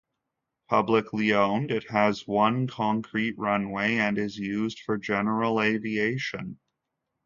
Publicly owned, it has one concrete runway and is used for general aviation.